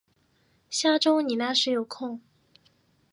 下周你那时有空